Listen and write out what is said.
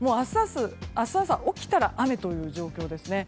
明日朝、起きたら雨という状況ですね。